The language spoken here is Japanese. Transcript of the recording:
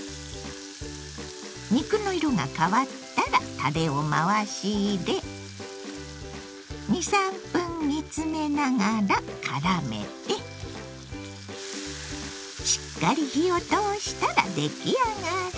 肉の色が変わったらたれを回し入れ２３分煮詰めながらからめてしっかり火を通したら出来上がり。